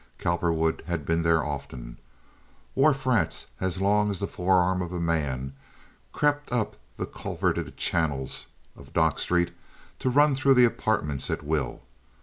Cowperwood had been there often. Wharf rats as long as the forearm of a man crept up the culverted channels of Dock Street to run through the apartments at will.